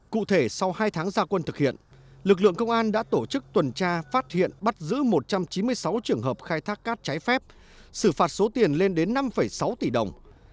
cụ thể sau hai tháng gia quân thực hiện lực lượng công an đã tổ chức tuần tra phát hiện bắt giữ một trăm chín mươi sáu trường hợp khai thác cát trái phép xử phạt số tiền lên đến năm sáu tỷ đồng